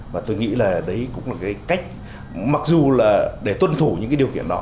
và tôi nghĩ là đấy cũng là cái cách mặc dù là để tuân thủ những cái điều kiện đó